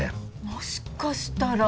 もしかしたら。